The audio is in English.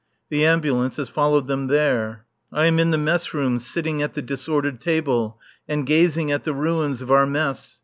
The Ambulance has followed them there. I am in the mess room, sitting at the disordered table and gazing at the ruins of our mess.